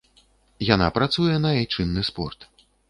Яна працуе на айчынны спорт.